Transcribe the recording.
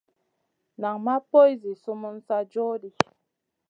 Nan ma poy zi sumun sa joh ɗi.